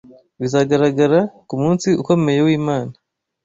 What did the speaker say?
bizagaragara ku munsi ukomeye w’Imana